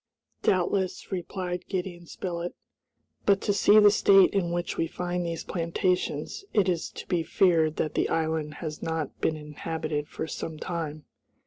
"Doubtless," replied Gideon Spilett, "but to see the state in which we find these plantations, it is to be feared that the island has not been inhabited for some time."